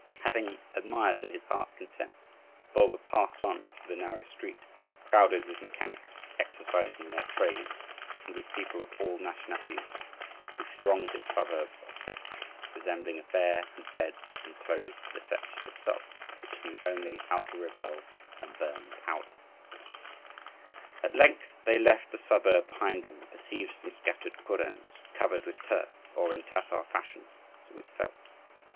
Having admired to his heart's content, Bulba passed on through the narrow street, crowded with mechanics exercising their trades, and with people of all nationalities who thronged this suburb of the Setch, resembling a fair, and fed and clothed the Setch itself, which knew only how to revel and burn powder. (1) Sometimes written Zaporovian. At length they left the suburb behind them, and perceived some scattered kurens (2), covered with turf, or in Tatar fashion with felt.